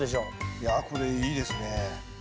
いやこれいいですね。